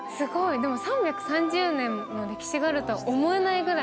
でも３３０年の歴史があるとは思えないぐらい